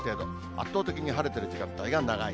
圧倒的に晴れてる時間が長い。